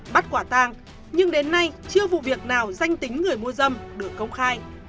bắt quả tang nhưng đến nay chưa vụ việc nào danh tính người mua dâm được công khai